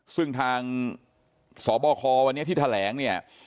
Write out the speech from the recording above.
ซึ่งทางสบควันนี้ที่แถลงเนี่ย